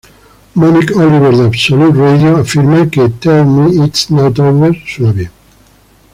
Monique Oliver de Absolute Radio afirma que 'Tell Me It's Not Over' "suena bien".